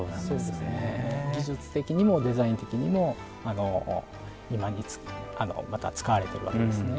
技術的にもデザイン的にも今にまた使われてるわけですね。